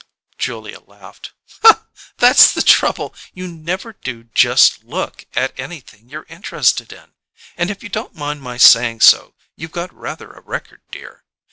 Julia laughed. "That's the trouble; you never do 'just look' at anything you're interested in, and, if you don't mind my saying so, you've got rather a record, dear!